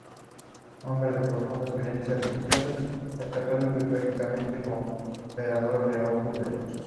Hombre de profundas creencias religiosas, es católico practicante, y cooperador del Opus Dei.